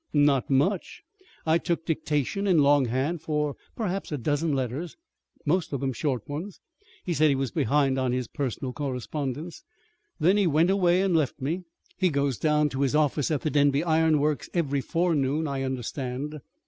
"Not much. I took dictation in long hand for perhaps a dozen letters most of them short ones. He said he was behind on his personal correspondence. Then he went away and left me. He goes down to his office at the Denby Iron Works every forenoon, I understand.